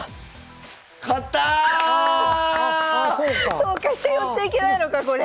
そうか飛車寄っちゃいけないのかこれ。